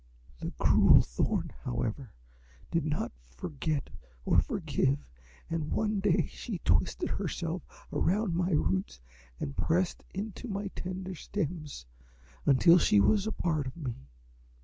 "The cruel Thorn, however, did not forget or forgive, and one day she twined herself around my roots and pressed into my tender stems until she was a part of me.